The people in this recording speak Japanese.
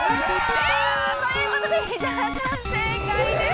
ということで、伊沢さん、正解です。